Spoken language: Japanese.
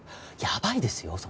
やばいですよ！